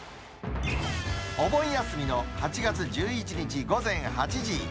お盆休みの８月１１日午前８時。